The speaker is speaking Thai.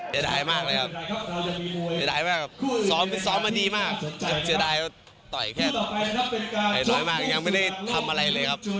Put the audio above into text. เสียดายมากเลยครับเสียดายมากครับซ้อมซ้อมมาดีมากเสียดายต่อยแค่ไหนน้อยมากยังไม่ได้ทำอะไรเลยครับ